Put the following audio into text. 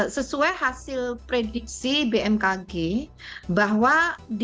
sesuai hasil prediksi bmkg bahwa